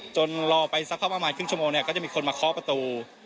รอไปสักประมาณครึ่งชั่วโมงเนี่ยก็จะมีคนมาเคาะประตู